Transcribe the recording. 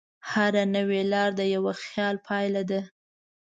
هره نوې لار د یوه خیال پایله ده.